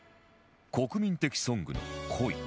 国民的ソングの『恋』